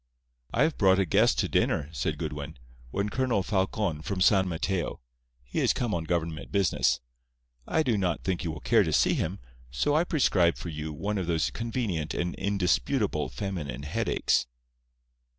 "I have brought a guest to dinner," said Goodwin. "One Colonel Falcon, from San Mateo. He is come on government business. I do not think you will care to see him, so I prescribe for you one of those convenient and indisputable feminine headaches."